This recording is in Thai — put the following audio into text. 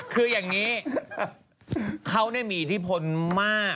คืออย่างนี้เขามีอิทธิพลมาก